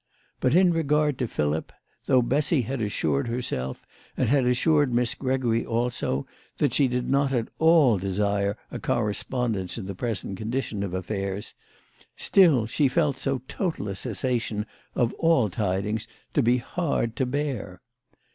But, in regard to Philip, though Bessy had assured herself, and had assured Miss Gregory also, that she did not at all desire a correspondence in the present condition of affairs, still she felt so total a cessation of all tidings to be hard to bear.